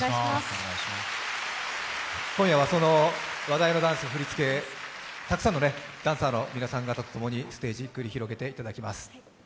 今夜は話題のダンス、振り付け、たくさんのダンサーの皆さん方とともにステージを繰り広げていただきます。